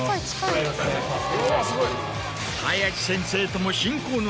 ・よろしくお願いします